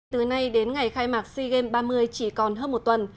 từ nay đến ngày khai mạc sea games ba mươi chỉ còn hơn một tuần